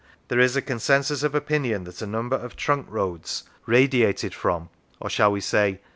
There is a consensus of opinion that a number of trunk roads 47 Lancashire radiated from or (shall we say